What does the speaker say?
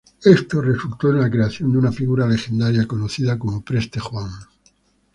Esto resultó en la creación de una figura legendaria conocida como Preste Juan.